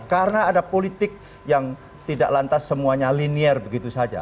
karena ada politik yang tidak lantas semuanya linear begitu saja